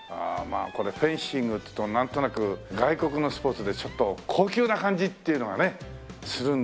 あこれフェンシングっていうとなんとなく外国のスポーツでちょっと高級な感じっていうのがするんですけども。